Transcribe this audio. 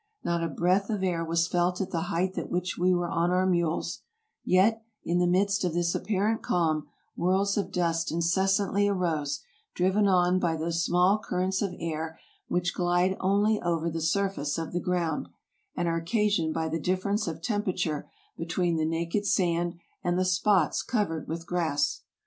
Not a breath of air was felt at the height at which we were on our mules ; yet, in the midst of this apparent calm, whirls of dust incessantly arose, driven on by those small currents of air which glide only over the surface of the ground, and are occasioned by the difference of temperature between the naked sand and the spots cov ered with grass.